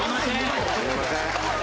すいません。